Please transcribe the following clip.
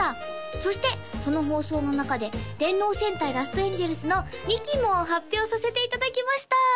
そしてその放送の中で「電脳戦隊ラストエンジェルス」の２期も発表させていただきました